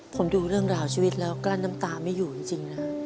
ผมดูเรื่องราวชีวิตแล้วกลั้นน้ำตาไม่อยู่จริงนะฮะ